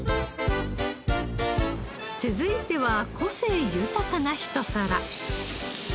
続いては個性豊かなひと皿。